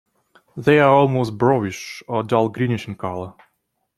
They are mostly brownish or dull greenish in color.